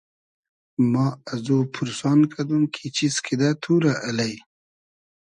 ما ازو پورسان کئدوم کی چیز کیدۂ تو رۂ الݷ